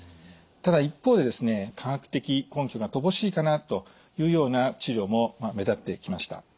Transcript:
ただ一方でですね科学的根拠が乏しいかなというような治療も目立ってきました。